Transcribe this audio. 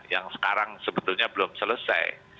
yang sekarang sebetulnya belum selesai